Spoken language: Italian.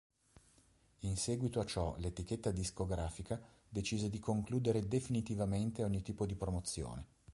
In seguito a ciò, l'etichetta discografica decise di concludere definitivamente ogni tipo di promozione.